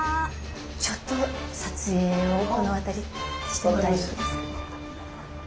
ちょっと撮影をこの辺りしても大丈夫ですか？